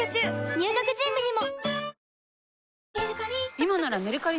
入学準備にも！